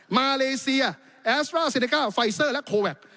มาเลเซียแอสตราเซเนก้าไฟเซอร์และโคแวค